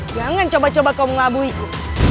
jangan coba coba kau mengelabuiku